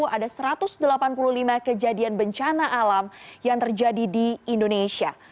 ada satu ratus delapan puluh lima kejadian bencana alam yang terjadi di indonesia